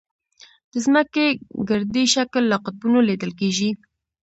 د ځمکې ګردي شکل له قطبونو لیدل کېږي.